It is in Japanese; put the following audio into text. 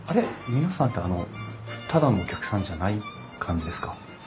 皆さんってあのただのお客さんじゃない感じですか？